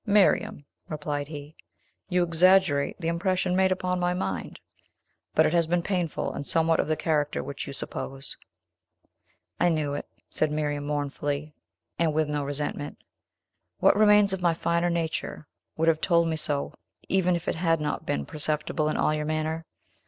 "Miriam," replied he, "you exaggerate the impression made upon my mind; but it has been painful, and somewhat of the character which you suppose." "I knew it," said Miriam, mournfully, and with no resentment. "What remains of my finer nature would have told me so, even if it had not been perceptible in all your manner.